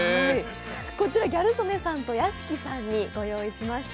こちら、ギャル曽根さんと屋敷さんにご用意しました。